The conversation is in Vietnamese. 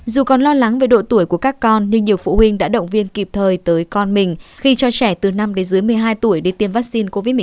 dù còn lo lắng về độ tuổi của các con nhưng nhiều phụ huynh đã động viên kịp thời tới con mình khi cho trẻ từ năm đến dưới một mươi hai tuổi để tiêm vaccine covid một mươi chín